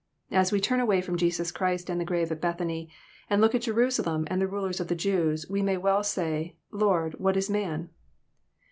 As we turn away from Jesus Christ and the grave at Bethany, and look at Jerusalem and the rulers of the Jews, we may well say, *' Lord, what is man